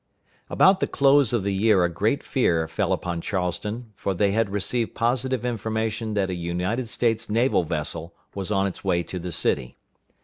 About the close of the year a great fear fell upon Charleston, for they had received positive information that a United States naval vessel was on its way to the city.